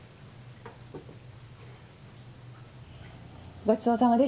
ごちそうさまでした。